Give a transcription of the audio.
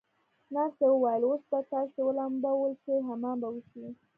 نرسې وویل: اوس به تاسي ولمبول شئ، حمام به وشی.